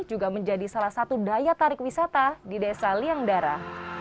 juga menjadi salah satu daya tarik wisata di desa liangdara